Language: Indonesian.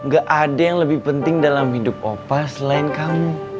gak ada yang lebih penting dalam hidup opa selain kamu